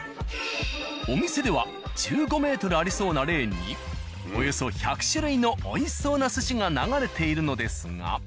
お店では１５ｍありそうなレーンにおよそ１００種類の美味しそうな寿司が流れているのですが。